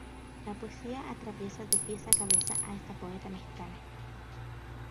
La poesía atraviesa de pies a cabeza a esta poeta mexicana.